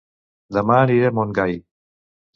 Dema aniré a Montgai